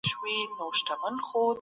یو په یو دي کوچېدلي